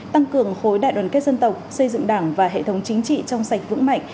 tăng cường khối đại đoàn kết dân tộc xây dựng đảng và hệ thống chính trị trong sạch vững mạnh